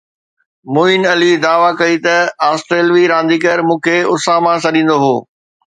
معين علي دعويٰ ڪئي ته آسٽريلوي رانديگر مون کي اساما سڏيندو هو